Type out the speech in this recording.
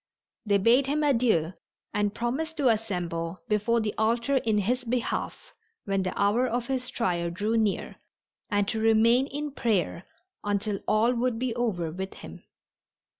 They bade him adieu and promised to assemble before the altar in his behalf when the hour of his trial drew near and to remain in prayer until all would be over with him.